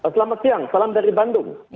selamat siang salam dari bandung